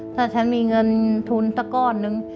ถ้าฉันมีเงินทุนสักก้อนนึง